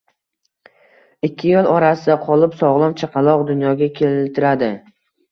Ikki yoʻl orasida qolib, sogʻlom chaqaloq dunyoga keltiradi